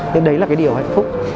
nên đấy là cái điều hạnh phúc